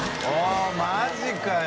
マジかよ。